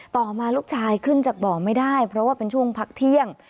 ต่อมาลูกชายขึ้นจากบ่อไม่ได้เพราะว่าเป็นช่วงพักเที่ยง